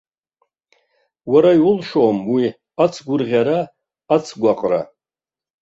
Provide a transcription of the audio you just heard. Уара иулшом уи ицгәырӷьара, ицгәаҟра.